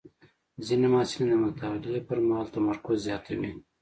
ځینې محصلین د مطالعې پر مهال تمرکز زیاتوي.